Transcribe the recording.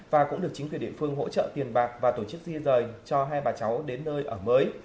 và cũng được chính quyền địa phương hỗ trợ tiền bạc và tổ chức di rời cho hai bà cháu đến nơi ở mới